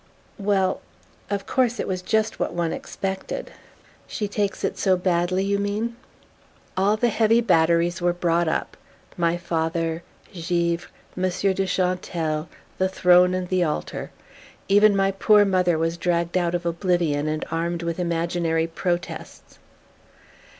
"Well of course it was just what one expected." "She takes it so badly, you mean?" "All the heavy batteries were brought up: my father, Givre, Monsieur de Chantelle, the throne and the altar. Even my poor mother was dragged out of oblivion and armed with imaginary protests."